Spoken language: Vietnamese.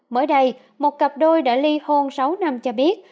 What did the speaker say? mới đây một cặp đôi đã ly hôn sáu năm cho biết